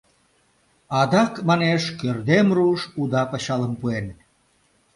— Адак, манеш, Кӧрдем руш уда пычалым пуэн!